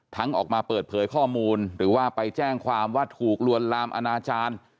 ออกมาเปิดเผยข้อมูลหรือว่าไปแจ้งความว่าถูกลวนลามอนาจารย์